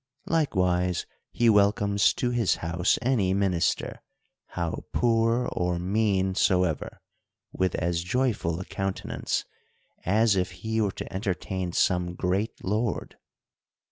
Likewise he welcomes to his house any minister, how poor or mean soever, with as joyful a countenance, as if he were to entertain some great lord.